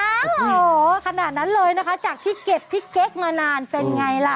โอ้โหขนาดนั้นเลยนะคะจากที่เก็บที่เก๊กมานานเป็นไงล่ะ